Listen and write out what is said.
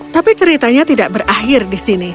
tapi ceritanya tidak berakhir di sini